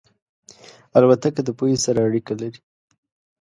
الوتکه د پوهې سره اړیکه لري.